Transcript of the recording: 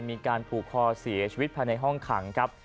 มีการผูกคอเสียชีวิตภายในห้องขังครับ